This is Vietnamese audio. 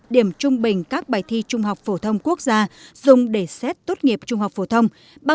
điểm trung bình các bài thi trung học phổ thông quốc gia dùng để xét tốt nghiệp trung học phổ thông